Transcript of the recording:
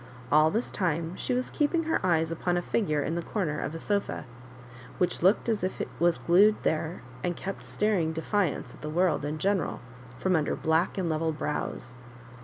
All this time she was keeping her eyes upon a flgure in the cor ner of a S0&, which looked as if it was glued there, and kept staring defiance at the world in general from under black and level brows.